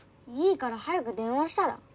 いいから早く電話したら？